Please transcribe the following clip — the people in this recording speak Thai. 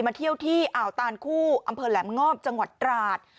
เที่ยวที่อ่าวตานคู่อำเภอแหลมงอบจังหวัดตราด